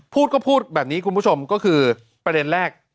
พูดก็พูดแบบนี้คุณผู้ชมก็คือประเด็นแรก